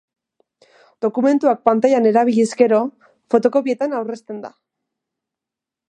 Dokumentuak pantailan erabiliz gero, fotokopietan aurrezten da.